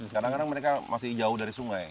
kadang kadang mereka masih jauh dari sungai